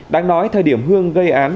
đáng nói thời điểm hương gây án